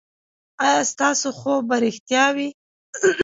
ایا ستاسو خوب به ریښتیا وي؟